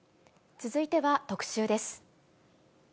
続いては特集です。